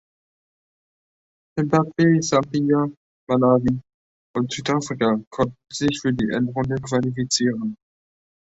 Simbabwe, Sambia, Malawi und Südafrika konnten sich für die Endrunde qualifizieren.